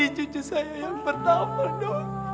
dok ini cucu saya yang pertama dok